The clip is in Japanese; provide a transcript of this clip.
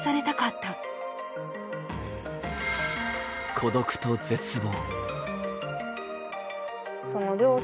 孤独と絶望。